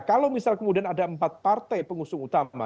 nah kalau misalnya kemudian ada empat partai pengusung utama